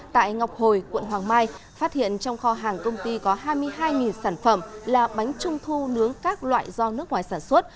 tại ngọc hồi quận hoàng mai phát hiện trong kho hàng công ty có hai mươi hai sản phẩm là bánh trung thu nướng các loại do nước ngoài sản xuất